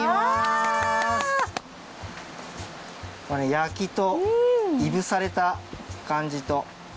焼きといぶされた感じと。